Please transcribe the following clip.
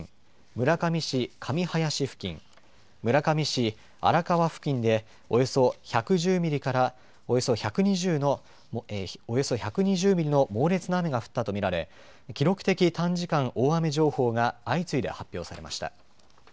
村上市神林付近村上市荒川付近でおよそ１１０ミリからおよそ１２０ミリの猛烈な雨が降ったと見られ記録的短時間大雨情報が相次いで発表されました。